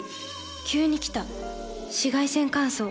急に来た紫外線乾燥。